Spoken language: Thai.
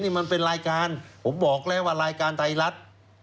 นี่มันเป็นรายการผมบอกแล้วว่ารายการไทยรัฐ